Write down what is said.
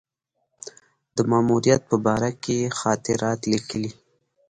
د ماموریت په باره کې یې خاطرات لیکلي.